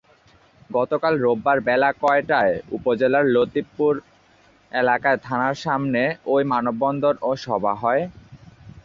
গতকাল রোববার বেলা কয়টায় উপজেলার লতিফপুর এলাকায় থানার সামনে ওই মানববন্ধন ও সভা হয়?